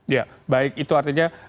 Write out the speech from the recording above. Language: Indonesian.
ya baik itu artinya